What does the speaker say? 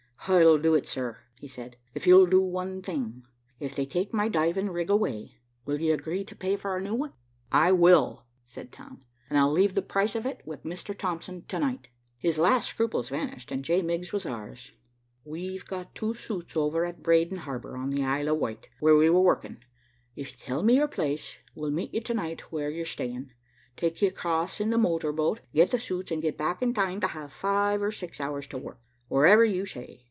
"I'll do it, sir," he said, "if you'll do one thing. If they take my diving rig away, will you agree to pay for a new one?" "I will," said Tom, "and I'll leave the price of it with Mr. Thompson to night." His last scruples vanished, and J. Miggs was ours. "We've got two suits over at Brading Harbor, on the Isle of Wight, where we were working. If you'll tell me your place, we'll meet you to night where you're staying, take you across in the motor boat, get the suits, and get back in time to have five or six hours to work, wherever you say.